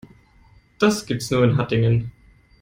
Das gibt es nur in Hattingen